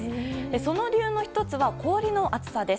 その理由の１つは氷の厚さです。